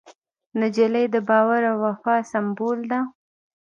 نجلۍ د باور او وفا سمبول ده.